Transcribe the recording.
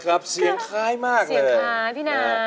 จับมือประคองขอร้องอย่าได้เปลี่ยนไป